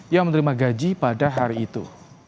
yang menerima gaji pada hari itu